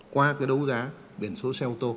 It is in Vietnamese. qua cái đấu giá biển số xe ô tô